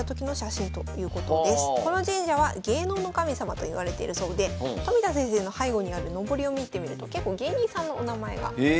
この神社は芸能の神様といわれてるそうで冨田先生の背後にあるのぼりを見てみると結構芸人さんのお名前がございます。